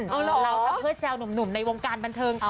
เราทำเพื่อแซวหนุ่มในวงการบันเทิง